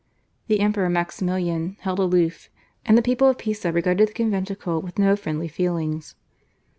The Emperor Maximilian held aloof, and the people of Pisa regarded the conventicle with no friendly feelings.